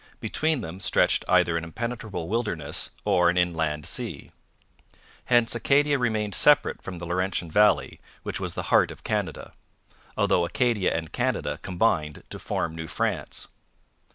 Between them stretched either an impenetrable wilderness or an inland sea. Hence Acadia remained separate from the Laurentian valley, which was the heart of Canada although Acadia and Canada combined to form New France.